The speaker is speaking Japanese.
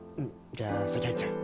じゃあ先入っちゃう。